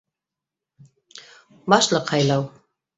БАШЛЫҠ ҺАЙЛАУ